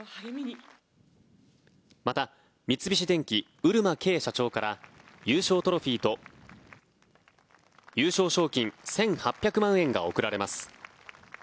また三菱電機、漆間啓社長から優勝トロフィーと優勝賞金１８００万円が贈られます。